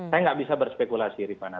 saya nggak bisa berspekulasi rifana